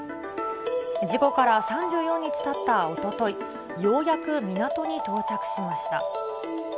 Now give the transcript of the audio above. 事故から３４日たったおととい、ようやく港に到着しました。